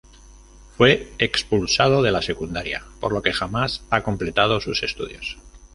Fue expulsado de la secundaria, por lo que jamás ha completado sus estudios.